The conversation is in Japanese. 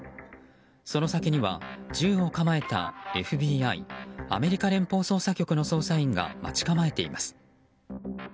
その先には、銃を構えたＦＢＩ・アメリカ連邦捜査局の捜査員が待ち構えています。